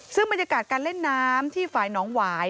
ซึ่งบรรยากาศการเล่นน้ำที่ฝ่ายน้องหวาย